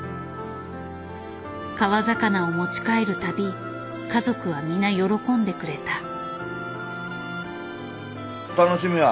川魚を持ち帰るたび家族は皆喜んでくれた。